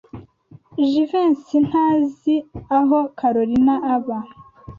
Jivency ntazi aho Kalorina aba.